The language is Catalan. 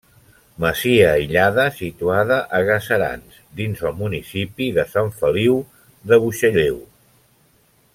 Masia aïllada situada a Gaserans, dins el municipi de Sant Feliu de Buixalleu.